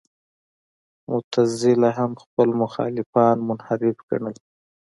معتزله هم خپل مخالفان منحرف ګڼل.